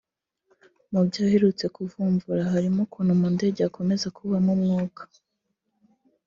Mu byo aherutse kuvumvura harimo ukuntu mu ndege hakomeza kubamo umwuka